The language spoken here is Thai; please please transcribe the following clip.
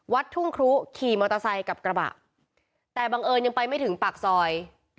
ทุ่งครุขี่มอเตอร์ไซค์กับกระบะแต่บังเอิญยังไปไม่ถึงปากซอย